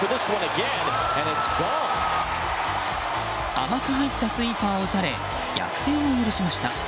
甘く入ったスイーパーを打たれ逆転を許しました。